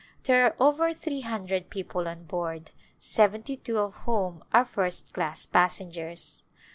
There are over three hundred people on board, seventy two of whom are first class passengers.